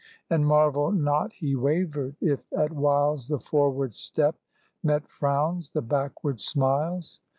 And marvel not he wavered if at whiles The forward step met frowns, the backward smiles.